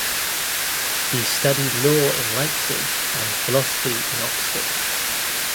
He studied law in Leipzig and philosophy in Oxford.